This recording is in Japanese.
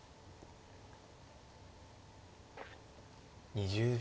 ２０秒。